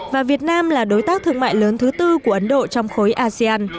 và việt nam là đối tác thương mại lớn thứ tư của ấn độ trong khối asean